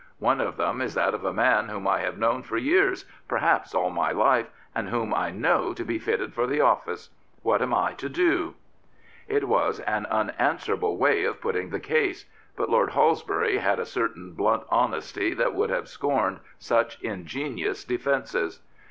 One of them is that of a man whom I have known for years, perhaps all my life, and whom I know to be fitted for the office. What am I to do ?" It was an unanswerable way of putting the case; but Lord Halsbury had a certain blunt honesty that would have scorned such ingenious defences.